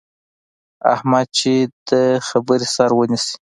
احمد چې د خبرې سر ونیسي،